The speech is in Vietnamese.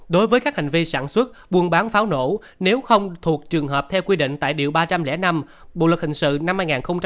đối với các hành vi sản xuất buôn bán pháo nổ nếu không thuộc trường hợp theo quy định tại điều ba trăm linh năm bộ luật hình sự năm hai nghìn một mươi năm